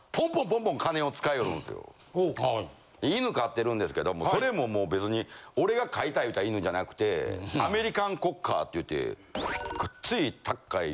犬飼ってるんですけどそれももう別に俺が飼いたい言うた犬じゃなくてアメリカンコッカーっていってごっつい高い４０